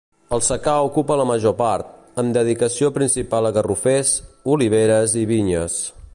El secà ocupa la major part, amb dedicació principal a garrofers, oliveres i vinyes.